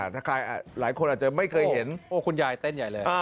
ถ้าใครหลายคนอาจจะไม่เคยเห็นคุณยายเต้นใหญ่เลย